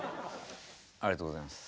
ありがとうございます。